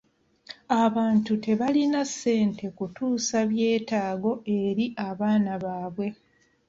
Abantu tebalina ssente kutuusa byetaago eri abaana baabwe.